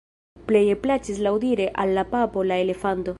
Pleje plaĉis laŭdire al la papo la elefanto.